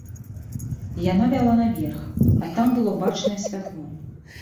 Яна вяла наверх, а там было бачнае святло.